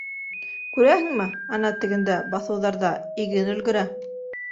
Күрәһеңме, ана тегендә, баҫыуҙарҙа, иген өлгөрә?